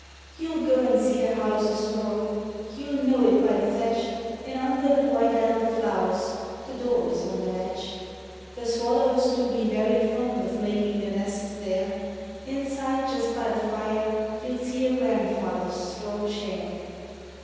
You'll go an' see the house, asthore, you'll know it by the thatch In undher the white elder flowers; the door is on the latch. The swallows do be very fond of makin' their nests there. Inside, just by the fire, you'll see your gran'father's straw chair.